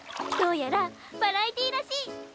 どうやらバラエティーらしい！